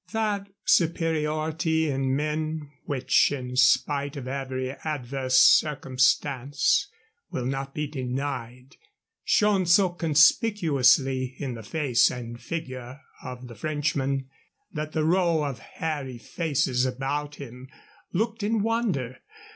That superiority in men which in spite of every adverse circumstance will not be denied shone so conspicuously in the face and figure of the Frenchman that the row of hairy faces about him looked in wonder.